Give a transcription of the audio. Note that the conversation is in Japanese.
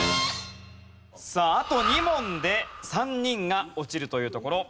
さああと２問で３人が落ちるというところ。